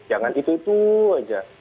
jangan itu itu aja